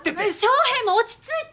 翔平も落ち着いて。